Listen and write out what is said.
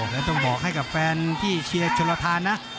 เดี๋ยวต้องบอกให้กับแฟนที่เชียร์โชลาธารนะ